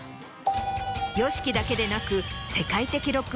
ＹＯＳＨＩＫＩだけでなく世界的ロック